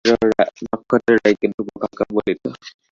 নক্ষত্ররায়কে ধ্রুব কাকা বলিত।